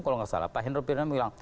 kalau tidak salah pak henro pirunem bilang